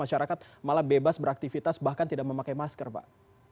masyarakat malah bebas beraktivitas bahkan tidak memakai masker pak